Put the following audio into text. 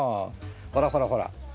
ほらほらほら